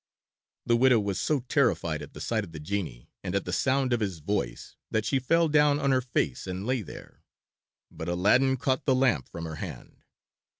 The widow was so terrified at the sight of the genie, and at the sound of his voice, that she fell down on her face and lay there. But Aladdin caught the lamp from her hand.